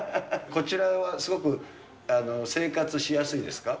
こちらはすごく、生活しやすいですか？